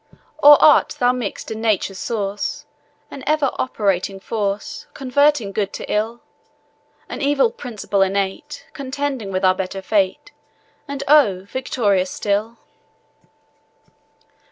Or art thou mix'd in Nature's source, An ever operating force, Converting good to ill; An evil principle innate, Contending with our better fate, And, oh! victorious still?